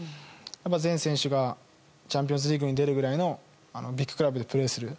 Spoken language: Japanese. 全選手がチャンピオンズリーグに出るくらいのビッグクラブでプレーする。